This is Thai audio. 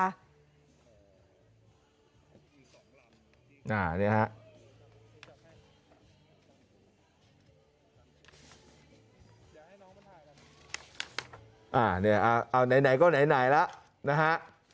อ่านี่ฮะเอาไหนไหนก็ไหนไหนแล้วนะฮะ